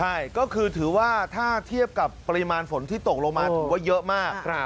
ใช่ก็คือถือว่าถ้าเทียบกับปริมาณฝนที่ตกลงมาถือว่าเยอะมาก